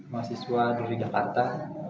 mahasiswa dari jakarta